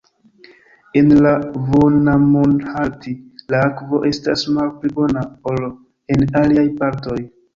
En la Vuonamonlahti la akvo estas malpli bona ol en aliaj partoj.